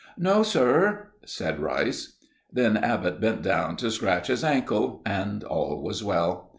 "No, sir," said Rice. Then Abbott bent down to scratch his ankle, and all was well.